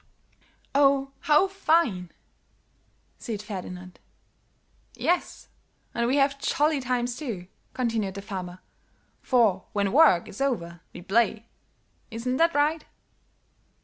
"Oh, how fine," said Ferdinand. "Yes, and we have jolly times, too," continued the farmer, "for when work is over we play. Isn't that right?"